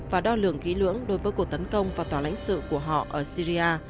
và đo lượng ký lưỡng đối với cuộc tấn công và tòa lãnh sự của họ ở syria